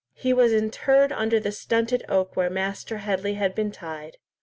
He was interred under the stunted oak where Master Headley had been tied.